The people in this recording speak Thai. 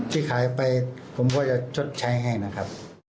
ที่ขายไปผมก็จะชดใช้ให้นะครับ